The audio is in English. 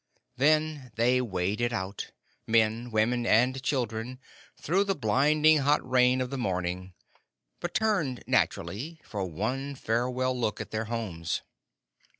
Then they waded out, men, women, and children, through the blinding hot rain of the morning, but turned naturally for one farewell look at their homes.